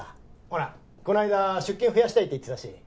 ほらこの間出勤増やしたいって言ってたし。